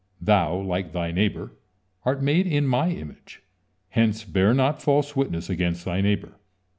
Thou, like thy neighbor, art made in My image, hence bear not false witness against thy neighbor.